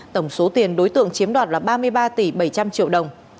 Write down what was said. tổng số tiền đối tượng chiếm đoạt là ba mươi ba tỷ bảy trăm linh triệu đồng